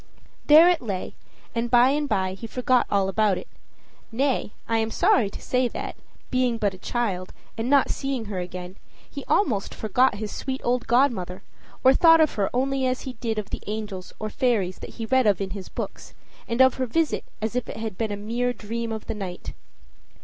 There it lay, and by and by he forgot all about it; nay, I am sorry to say that, being but a child, and not seeing her again, he almost forgot his sweet old godmother, or thought of her only as he did of the angels or fairies that he read of in his books, and of her visit as if it had been a mere dream of the night.